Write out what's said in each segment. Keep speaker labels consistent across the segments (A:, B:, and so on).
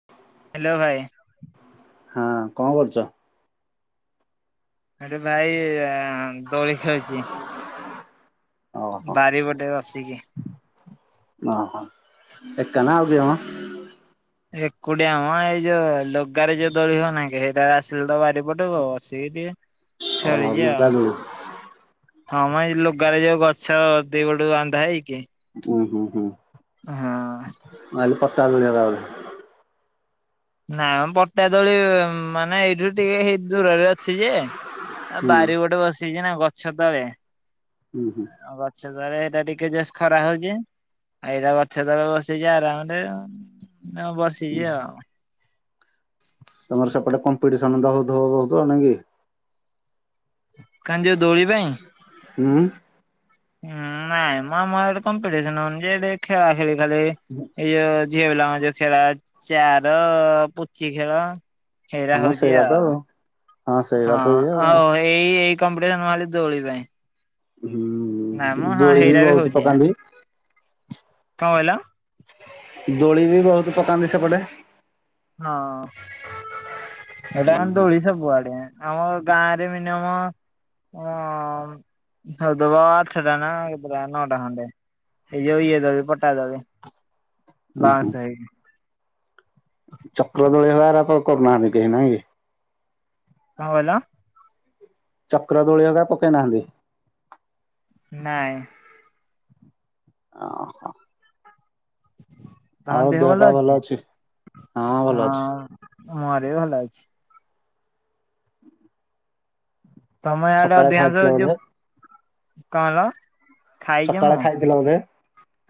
A: [inaudible]
B: Hello ଭାଇ।
A: ହଁ କଣ କରୁଚ?
B: ଆରେ ଭାଇ ଆ ଦୋଳି ଖେଳୁଛି।
A: ଓହୋ
B: ବାରିପଟେ ବସିକି।
A: ଓହୋ ଏକା ନା ଆଉ କିଏ ମ?
B: ଏକୁଟିଆ ମ ଏଇ ଯୋଉ ଲଗାରେ ଯୋଉ ଦୋଳି ହଉନାଇ କି ହେଇଟା ଆସିଲି ତ ବାରିପଟକୁ ବସିକି ଟିକେ।
A: [unintelligible]
B: ଖେଳୁଚି ଆ।
A: ଲୁଗା ଦୋଳି
B: ହଁ ମ ଏଇ ଲୁଗାରେ ଯୋଉ ଗଛ ଦି ପଟୁ ବାନ୍ଧା ହେଇକି।
A: ହୁଁ ହୁଁ ହୁଁ।
B: ହଁ
A: ମୁଁ ଭାବିଲି ପଟା ଦୋଳି ହବା ବୋଲି
B: ନାଇ ପଟା ଦୋଳି ମାନେ ଏଇଠୁ ଟିକେ ଦୂରରେ ଅଛି ଯେ ଆ
A: ହୁଁ
B: ବାରି ଗୋଟେ ବସିଛି ନା ଗଛ ତଳେ
A: ହୁଁ ହୁଁ
B: ଆଉ ଗଛ ତଳେ ଏଇଟା ଟିକେ ଜଷ୍ଟ ଖରା ହଉଛି। ଏଇଟା ଗଛ ତଳେ ବସଛି ଆରାମରେ ବସିଛି ଆଉ
A: ତମର ସେପଟେ କମ୍ପିଟିସନ ତ ହଉଥିବ ବହୁତ ନାଇଁ କି?
B: କାଇଁ ଯେ ଦୋଳି ପାଇଁ?
A: ହୁଁ
B: ହଁ ନାଇଁ ମ ଆମ ଆଡ଼େ କମ୍ପିଟିସନ ହଉନି ଯେ ଏଠି ଖେଳା ଖେଳି ଖାଲି
A: [inaudible]
B: ଏଇ ଯୋଉ ଝିଅ ପିଲାଙ୍କ ଯୋଉ ଖେଳ ଚାର ପୁଚି ଖେଳ ହେରା
A: ଆମର
B: ହଉଛି
A: ସେଇରା ତ
B: ଆଉ
A: ସେଇରା
B: ହଁ
A: ତ ଇଏ
B: ଆଉ ଏଇ ଏଇ କମ୍ପିଟିସନ ମାଳି ଦୋଳି ପାଇଁ
A: ହୁଁ
B: ନାଇଁ
A: ଉଁ
B: ମ ହଁ
A: ଦୋଳି ବି
B: ହେଇରା
A: ବହୁତ ପକାନ୍ତି।
B: କଁ କହିଲ?
A: ଦୋଳି ବି ବହୁତ ପକାନ୍ତି ସେପଟେ।
B: ହଁ
A: ହୁଁ
B: ଏଟା
A: ହୁଁ
B: ଦୋଳି ସବୁଆଡେ ଆମ ଗାଁରେ ମିନିମମ ହଁ ହଦବା ଆଠଟା ନା କେତେଟ ନଅଟା ଖଣ୍ଡେ। ଏଇ ଯୋଉ ଇଏ ଦୋଳି ପଟା ଦୋଳି
A: ଉଁ ହୁଁ
B: ବାଉଁଶ ହେଇିକି
A: ଚକ୍ର ଦୋଳି ହେଆରକ କରୁନାହାନ୍ତି କେହି ନାହିଁ।
B: କଁ କହିଲ?
A: ଚକ୍ର ଦୋଳି ହେରକା ପକେଇ ନାହାନ୍ତି।
B: ନାଇଁ
A: ଅହଃ
B: ତମ ଦେହ ଭଲ ଅଛି
A: ହଁ ଭଲ ଅଛି।
B: ହଁ ମର ବି ଭଲ ଅଛି। ତମେ ଏଡା
A: ସକାଳେ
B: ଅଧିକାଂଶ
A: ଖାଇଥିଲ
B: ଯୋଉ
A: ବୋଧେ?
B: କଣ?
A: ସକାଳେ ଖାଇଥିଲା ବୋଧେ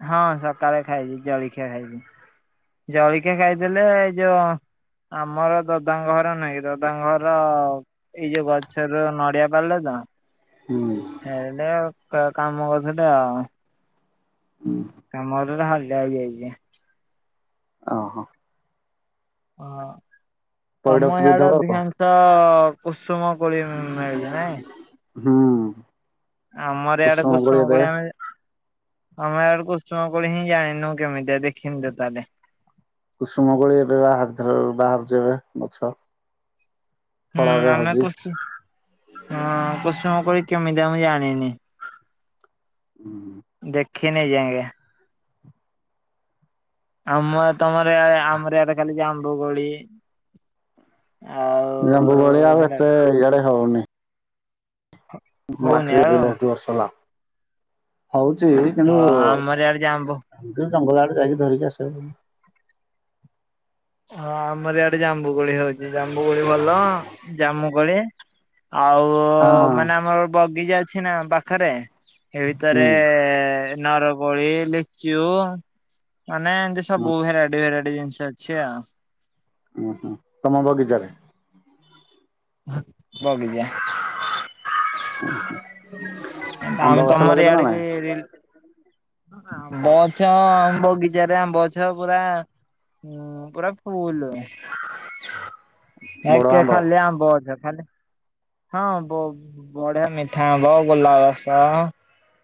B: ହଁ ସକାଳେ ଖାଇଥିଲି ଜଳଖିଆ ଖାଇଥିଲି। ଜଳିଖିଆ ଖାଇଦେଲେ ଯୋ ଆମର ଦଦାଙ୍କ ଘର ନାଇଁ ଦଦାଙ୍କ ଘର ଏଇ ଯୋଉ ଗଛର ନଡିଆ ପାରିଲେ ତ
A: ହୁଁ
B: ଏଇଟା କାମ ଗଛଟା ଆଉ
A: [inaudible]
B: କାମ ହେଲା ହାଲିଆ ହେଇଯାଇଛି।
A: ଓହୋ
B: ହଁ
A: ପଇଡ
B: ତମ
A: ପିଇଦବ
B: ଇଆଡେ
A: ଆଉ
B: ଅଧିକାଂଶ ତ କୁସୁମ କୋଳି ମିଳୁଛି ନାଇଁ
A: ହୁଁ
B: ଆମର ଇଆଡେ କୁସୁମ କୋଳି ମିଳେ। ଆମେ ଇଆଡ଼େ କୁସୁମ କୋଳି ହିଁ ଜାଣିନୁ କେମିତିଆ ଦେଖିନୁ ତା ହେଲେ
A: କୁସୁମ କୋଳି ଏବେ ବାହାର ଥିଲ ବାହାରୁଛି ଏବେ ଗଛ
B: ହୁଁ
A: ଫଳ ଏବେ
B: ଆମେ
A: ହଉଛି।
B: କୁସୁ ହଁ କୁସୁମ କୋଳି କେମିତିଆ ମୁଁ ଜାଣିନି ଦେ କିଏ ନେଇଯାଏଙ୍ଗ। ଆମ ତମର ଇଆରେ ଆମର ଇଆଡେ ଖାଲି ଯାମ୍ବୁ କୋଳି। ଆଉ
A: ଯାମ୍ବୁ ଆଉ
B: ହେରା
A: ଏତେ ଇଆଡ଼େ ହଉନି। [unintelligible]
B: ହଉନି ଆଉ
A: ହେଲା ହଉଚି କିନ୍ତୁ
B: ହଁ ଆମର ଇଆଡେ ଜାମ୍ବୁ
A: ନିଜେ ଜଙ୍ଗଲ ଆଡେ ଯାଈକି ଧରିକି ଆସିବ।
B: ହଁ ଆମର ଇଆଡେ ଜାମ୍ବୁ କୋଳି ହଉଛି ଜାମ୍ବୁ କୋଳି ଭଲ ଜମୁ କୋଳି। ଆଉ
A: ହଁ
B: ମାନେ ଆମର ବଗିଚା ଅଛି ନା ପାଖରେ। ଏ
A: ହୁଁ
B: ଭିତରେ ନରକୋଳି ଲିଚୁ ମାନେ
A: ହୁଁ
B: ସବୁ ଭେରାଇଟି ଭେରାଇଟି ଜିନିଷ ଅଛି ଆଉ।
A: ଉଁ ହୁଁ ତମ ବଗିଚାରେ?
B: ହୁଁ ବଗିଚା।
A: ଆମ୍ବ
B: ଆମେ
A: ଗଛ
B: ତମର
A: ଲଗେଇଛ ନା
B: ଇଆଡେ କି
A: ନାଇଁ?
B: ରି ଆମ୍ବ ଗଛ ଆମ ବଗିଚାରେ ଆମ୍ବ ଗଛ ପୁରା ହୁଁ ପୁରା ଫୁଲ
A: ବଡ
B: ଏକେ
A: ଆମ୍ବ
B: ଖାଲି ଆମ୍ବ ଗଛ ଖାଲି ହଁ ବହୁ ବଢିଆ ମିଠା ଆମ୍ବ ଗୋଲା ରସ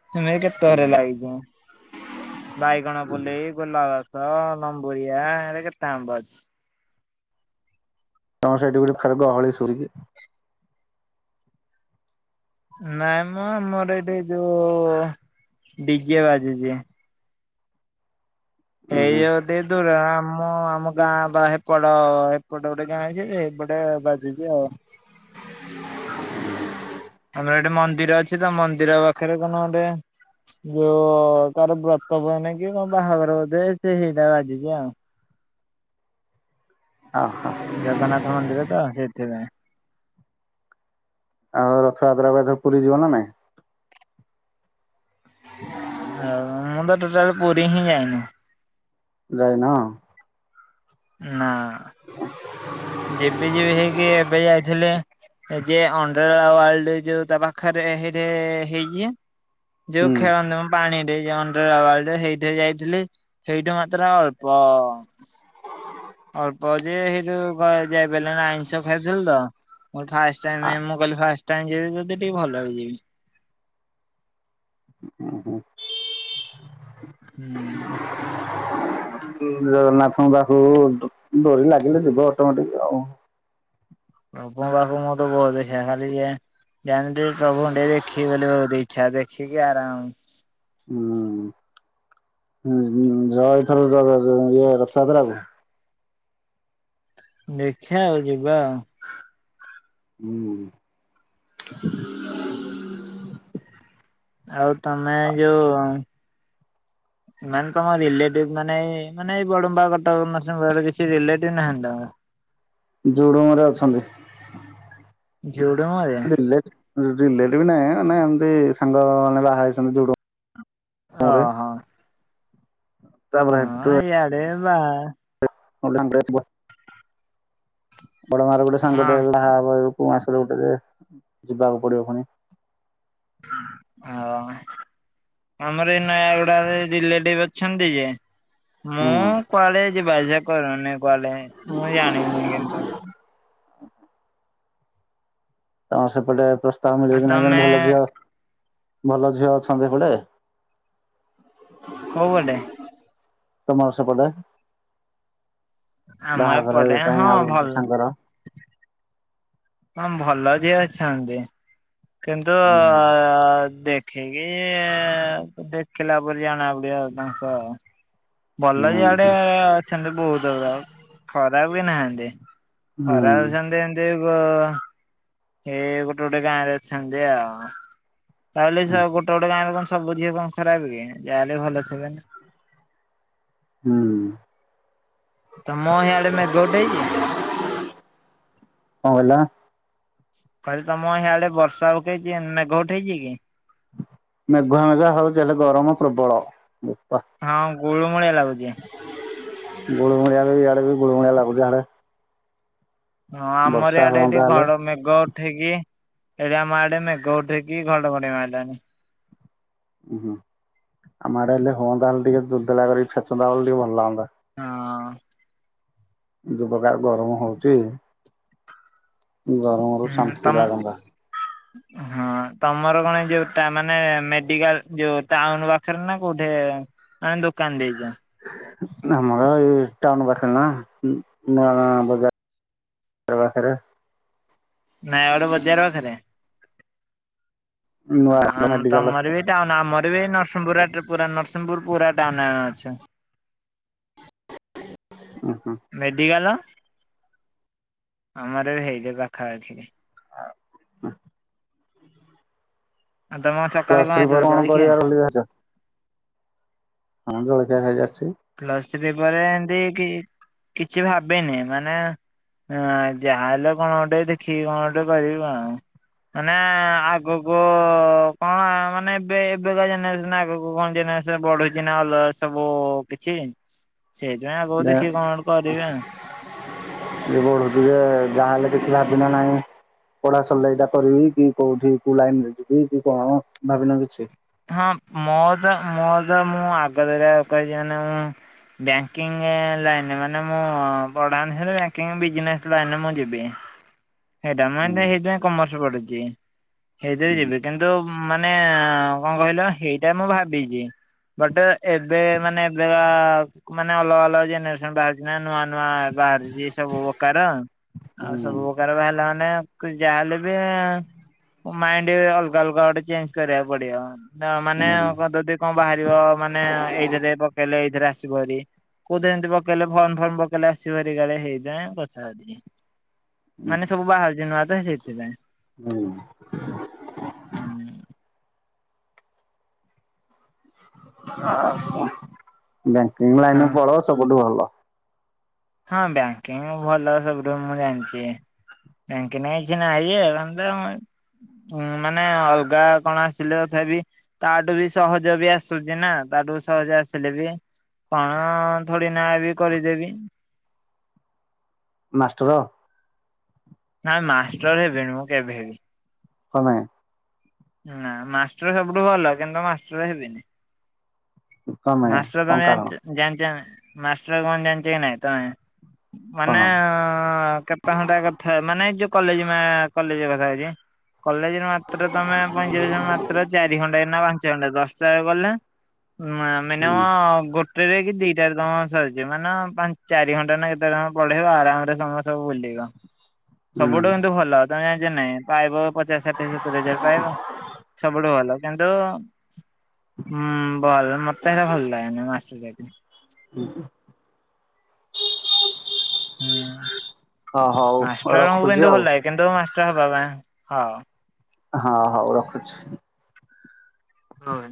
B: [unintelligible] ବାଇଗଣ ପୋଲେଇ, ଗୋଲାଗସ, ଲମ୍ବୁରିଆ, ଏରେ କେତେ ଆମ୍ବ ଅଛି?
A: [unintelligible]
B: ନାଇଁ ମ ଆମର ଏଇଠି ଯୋଉ ଡିିଯେ ବାଯୁଛି।
A: ଉୁଁ
B: ଏଇ
A: ହୁଁ
B: ଗୋଟେ ଦୂର୍ ଆମ୍ ଆମ ଆମ ଗାଁ ବା ହେପଟ ହେପଟ ଗୋଟେ ଗାଁ ହେଇଛି ହେପଟେ ବାଜୁଛି ଆଉ।
A: [inaudible]
B: ଆମର ଏଠି ମନ୍ଦିର ଅଛି ତ ମନ୍ଦିର ପାଖରେ କଣ ଗୋଟେ ଯୋଉ ତାର ବ୍ରତ ବନ କି କଣ ବାହାଘର ବୋଧେ ସେ ହେଇଟା ବାଜିଛି ଆଉ।
A: ଆହାଁ।
B: ଜଗନ୍ନାଥ ମନ୍ଦିର ତ ସେଇଥିପାଇଁ।
A: ଆଉ ରଥ ଯାତ୍ରା କୁ ଏଥର ପୁରୀ ଯିବ ନା ନାଇଁ?
B: ଆଉ ମୁଁ ତ ଟୋଟାଲ ପୁରୀ ହିଁ ଯାଇନି।
A: ଯାଇନ?
B: ନା। ଯିବି ଯିବି ହେଇକି ଏବେ ଯାଇଥିଲି ଏ ଯେ ଅଣ୍ଡ୍ର ୱାର୍ଲଡ ଯୋଉ ତା ପାଖରେ ହେଠି ହେଇଛି।
A: ହୁଁ।
B: ଯୋଉ ଖେଳନ୍ତି ମ। ପାଣିରେ ଜଉ ଅଣ୍ଡରୱର୍ଲ୍ଡ ହେଇଠି ଯାଇଥିଲି ହେଇଠୁ ମାତ୍ର ଅଳ୍ପ ଅଳ୍ପ ଯେ ହେଇଠୁ ଯାଇ ପାରିଲଣି ଆଇିଷ ଖାଇଥିଲ ତୋ ଫାର୍ଷ୍ଟ
A: ଆ
B: ଟାଇମ୍ କହିଲି ଫାଷ୍ଟ ଟାଇମ୍ ଯିବି ଯଦି ଟିକେ ଭଲରେ ଯିବି।
A: ଓ ହ [unintelligible]
B: ହୁଁ।
A: [unintelligible] ଜଗନ୍ନାଥଙ୍କ ପାଖକୁ ଡୋରି ଲାଗିଲେ ଯିବ ଅଟୋମେଟିକ ଆଉ।
B: ଲପ ପାଖକୁ ମୁ ତ ବହୁତ ଦେଖେ ଖାଲି ଯେ [unintelligible] ଜାଣି ପ୍ରଭୁଙ୍କୁ ଟିକେ ଦେଖି ବୋଲି ବହୁତ ଇଛା ଦେଖିକି ଆରାମ
A: ହୁଁ ଯ ଏଇଥର ର- ରଜ- ଇଏ ରଥଯାତ୍ରାକୁ।
B: ଦେଖିଆ ଆଉ ଯିବା ଆଉ।
A: ହୁଁ।
B: ଆଉ ତମେ ଯଉ
A: ହ
B: ମାନେ ତମ ରିଲେଟିଭ୍ ମାନେ -ମାନେ ଏଇ ବଡମ୍ବା, କଟକ, ନର୍ସିଂଙ୍ଗପୁର୍ କିଛି ରିଲେଟିଭ୍ ନାହାନ୍ତି ତମର?
A: ଜୁଡୁମ ରେ ଅଛନ୍ତି।
B: ଜୁଡୁମ ରେ?
A: ରିଲେଟିଭ୍ ନାହିଁ ମାନେ ଏମତି ସାଙ୍ଗ ମାନେ ବାହା ହେଇଚନ୍ତି ଯଉ
B: ଓ ହୋ।
A: ତାପରେ
B: [unintelligible]
A: [unintelligible] ପୁଣି ଆସିଲେ ଗୋଟେ
B: ହଁ
A: ଯେ- ଯିବାକୁ ପଡିବ ପୁଣି।
B: ହଁ। ଆମର ଏଇ ନୟାଗୁଡାରେ ରିଲେଟିଭ୍ ଅଛନ୍ତି ଯେ। ମୁଁ
A: ହୁଁ।
B: କୁଆଡେ ଯିବା ଆସିବା କରୁନି କୁଆଡେ ମୁଁ ଜାଣିନି କିନ୍ତୁ।
A: ତ ସେପଟେ ପ୍ରସ୍ତାବ
B: ଆଉ
A: ମିଳିବ କି ନାଇଁ ଜଣେ
B: ତମେ
A: ଭଲ ଝିଅ ଭଲ ଝିଅ ଅଛନ୍ତି ସେପଟେ?
B: କଉ ପଟେ?
A: ତମର ସେପଟେ।
B: ଆମ
A: ବାହାଘର
B: ଏପଟେ
A: ହେବା
B: ହଁ
A: ପାଇଁ ଆଉ
B: ଭଲ
A: ଗୋଟେ ସାଙ୍ଗର।
B: ହଁ- ଭଲ ଝିଅ ଅଛନ୍ତି କିନ୍ତୁ ଦେଖ୍ ଦେଖିକି ଦେଖିଲା ପରେ ଜଣା ପଡିବ ଆଉ ତାଙ୍କ ଭଲ ଝିଅ ଆଡେ
A: ହୁଁ।
B: ଅଛନ୍ତି ବହୁତୁ ଖରାପ୍ ବି ନାହାନ୍ତି।
A: ହୁଁ
B: ଖରାପ୍ ଜେନ୍ତି ଏନ୍ତି ବ ଏ ଗୋଟେ ଗୋଟେ ଗାଁରେ ଅଛନ୍ତି ଆଉ। ତାବଲି
A: ହୁଁ
B: ଗୋଟେ ଗୋଟେ ଗାଁରେ କଣ ସବୁ ଝିଅ କଣ ଖରାପ୍ କି ଯାହେଲେ ଭଲ ଥିବେ।
A: ହୁଁ।
B: ତମ ହିଆଡେ ମେଘ ଉଠେଇଚି?
A: କଣ କହିଲ?
B: କହିଲି ତମ ହିଆଡେ ବର୍ଷା ଉଠେ- ମେଘ ଉଠେଇଚି କି?
A: ମେଘୁଆ ମେଘୁଆ ହଉଚି ହେଲେ ଗରମ ପ୍ରବଳ ବୋପା।
B: ହଁ ଗୁଳୁମୁଳିଆ ଲାଗୁଚି।
A: ଗୁଳୁମୁଳିଆ ବି ଇଆଡେ ବି ଗୁଳୁମୁଳିଆ ଲାଗୁଚି ଇଆଡେ।
B: ହଁ ଆମର ଇଆଡେ ଏଠି
A: ହୁଅନ୍ତା ହେଲେ
B: ଘର ମେଘ ଉଠେଇକି ଏଠେ ଆମ ଆଡେ ମେଘ ଉଠେଇକି ଘଡ ଘଡି ମାରିଲାଣି।
A: ଉୁ- ହୁଁ ଆମ ଆଡେ ହେଲେ ହଅନ୍ତା ହେଲେ ଟିକେ ଦୁଲ୍ ଦୁଲା କରିକି ଛେଚନ୍ତା ବଲେ ଟିକେ ଭଲ ଲାଗନ୍ତା।
B: ହଁ।
A: ଯଉ ପ୍ରକାର ଗରମ ହଉଚି କି ଗରମ
B: ହୁଁ ତମ
A: [inaudible]
B: ହଁ। ତମର କଣ ଏ ଯଉ ଟା- ମାନେ ମେଡିକାଲ୍ ଯଉ ଟାଉନୁ ପାଖେରେ ନା କଉଠେ? ଆ ଦୋକାନ ଦେଇଦିଅ।
A: ଆମର ଏଇ ଟାଉନ୍ ପାଖରେ ନା ନାଁ ବଜା ତୋ ପାଖରେ
B: ନାଇଁ ଆମର ବଜାର ପାଖରେ
A: ନୂଆ
B: ଆ
A: ମେଡିକାଲ ଉଁ
B: ତମରବି? ଟାଉନ୍ ଆମରବି ନରସିଂଗିପୁର ପୁରା ନରସିଂଗିପୁର ପୁରା ଟାଉନ୍ ରେ ଆମେ ଅଛୁ।
A: ଉଁ ହୁଁ।
B: ମେଡିକାଲ ଆମରବି ହେଇଟି ପାଖାପାଖିରେ। ଆଉ ତମ ସକାଳେ
A: ପ୍ଲସ୍ ଥ୍ରୀ
B: ହେଇଥିଲା
A: ପରେ କଣ
B: ଜଳଖିଆ?
A: କରିବ ବୋଲି ଭାବିଚ? ହଁ ଜଳଖିଆ ଖାଇକି ଆସିଚ।
B: ପ୍ଲସ୍ ଥ୍ରୀ ପରେ ଏମତି କି କିଛି ଭାବିନି ମାନେ ହାଁ ଯାହାହେଲେ କଣ ଗୋଟେ ଦେଖିକି କଣ ଗୋଟେ କରିବୁ ଆଉ। ମାନେ ଆଗକୁ କଣ ମାନେ ଏବେ ଏବେକା ଜେନେରେସନ ଆଗକୁ କଣ ଜେନେରେସନ। ବଢୁଛିନା ଅଲଗ ସବୁ କିଛି ସେଇଥିପାଇଁ ଆଗକୁ ଦେଖିକି କଣ କରିବା।
A: ଆଗକୁ ପଢୁଛୁଯେ ଯାହାହେଲେ କିଛି ଭାବିନା ନାହିଁ? ପଢା ସରିଲେ ଏଟା କରିବି କି କୋଉଠି କୋଉ ଲାଇନିରେ ଯିବି କି କଣ ଭାବିନା କିଛି?
B: ହଁ ମୋରତ ମୋର ତ ମୁଁ ଆଗତୁରିଆ କହିଛି ମାନେ ମୁଁ ବ୍ୟାଙ୍କିଙ୍ଗି ଲାଇନ୍ ରେ ମାନେ ମୁଁପଢା ଅନୁସାରେ ବ୍ୟାଙ୍କିଙ୍ଗି ବିଜିନେସେ ଲାଇନ୍ ରେ ମୁଁ ଯିବି। ସେଇଟା ମୁଁ
A: ହୁଁ
B: ଏମିତି ସେଇଥିପାଇଁ କମର୍ସ ପଢୁଚି ସେଇଥିରେ
A: ହୁଁ
B: ଯିବି କିନ୍ତୁ କିନ୍ତୁ ମାନେ କଣ କହିଲ ହେଇଟା ମୁଁ ଭାବିଚି। ଗୋଟେ ଏବେ ମାନେ ଯାହା ମାନେ ଅଲଗା ଅଲଗା ଜେନେରେସନ୍ ବାହାରିଚି। ନା ନୂଆ ନୂଆ ବାହାରୁଚି ସବୁ ପ୍ରକାର ଆଉ
A: ହୁଁ
B: ସବୁ ତାର ବାହାରିଲା ମାନେ ଯାହାଲେବି ଏଁ ମାଇଣ୍ଡି ଅଲଗା ଅଲଗା ଗୋଟେ ଚେଞ୍ଜେ କରିବାକୁ ପଡିବ ତା ମାନେ
A: ହୁଁ
B: ଵଦଦି କଣ ବାହାରିବ ମାନେ ଏଇଥିରେ ପକେଇଲେ ଏଇଥିରେ ଆସିବ ଯଦି। କୋଉ ଯାଏ ଯିବ ପକେଇଲେ ଫର୍ମ ଫର୍ମ ପକେଇଲେ ଆସିବହାରି କାଳେ ହେଇଥିପାଇଁ ପଚାରିଦେଲି। ମାନେ ସବୁ ବାହାରୁଚି ନୂଆତ ସେଇଥିପାଇଁ
A: ହୁଁ
B: ହୁଁ।
A: ଆଉ ବ୍ୟାଙ୍କିଙ୍ଗି
B: ହଁ।
A: ଲାଇନ୍ ରେ ପଳୁଅ ସବୁଠୁ ଭଲ।
B: ହଁ ବ୍ୟାଙ୍କିଙ୍ଗି ଭଲ ସବୁୁଠୁ ମୁଁ ଜାଣିଚି। ବ୍ୟାଙ୍କି ଲାଇନି କିଛି ନାହିଁ ଯେ ସନ୍ଦେହମ ଉଁ ମାନେ ଅଲଗା କଣ ଆସିଲେ ତଥାପି ତାଆଠୁବି ସହଜବି ଆସୁଛିନା ତାଆଠୁ ସହଜ ଆସିଲେବି କଣ? ଥୋଡିନାବି କରିଦେବି।
A: ମାଷ୍ଟର।
B: ନା ମାଷ୍ଟର ଏବେ ନୁହେଁ କେବେ କେବେବି।
A: କପାଇଁ?
B: ନା ମାଷ୍ଟର ସବୁଠୁ ଭଲ କିନ୍ତୁ ମାଷ୍ଟର ହେବିନି।
A: କମେ
B: ମାଷ୍ଟର
A: କଣ
B: ତମେ
A: କାରଣ
B: ଜାଣିଚ ଜାଣିଚନା ମାଷ୍ଟର କଣ ଜାଚକି ନାଇଁ ତମେ ମାନେ
A: କଣ
B: କେତେ ଘଣ୍ଟା କଥା ମାନେ ଯୋଉ କଲେଜ କଲେଜ କଥା କଉଚି। କଲେଜେରେ ମାତ୍ର ତମେ ପଇଁଚାଳିଶି ମାତ୍ର ଚାରି ଘଣ୍ଟା ନା ପାଞ୍ଚ ଘଣ୍ଟା ଦଶ ହିସାବଗଲା ମା
A: ହୁଁ
B: ମିନିମମ୍ ଗୋଟେ ଗୋଟେକି ଦିଟାରେ ତମର ସରିଯିବ ମାନ ପା ଚାରି ଘଣ୍ଟା ନା କେତେସମୟ ପଢେଇବ ଆରାମରେ ତମେ ସବୁ ବୁଲିବ।
A: [inaudible]
B: ସବୁଠୁ କିନ୍ତୁ ଭଲ ତମେ ଜାଣିନକି ପାଇବ ପଚାଶ ଷାଠିଏ ସତୁରି ହଜାରେ ପାଇବ ସବୁଠୁ ଭଲ। କିନ୍ତୁ ହୁଁ ଭଲ ମତେ ହେରା ଭଲ ଲାଗେନି ମାଷ୍ଟର ଚାକିରୀ।
A: ହୁଁ।
B: ହୁଁ
A: ହଁ ହୋଉ ରଖୁଚି ଆଉ।
B: କେନ୍ତୁଙ୍କ ମାଷ୍ଟଙ୍କ ବାବା ହଁ।
A: ହଁ ହୋଉ ରଖୁଚି।
B: ହଁ ଭା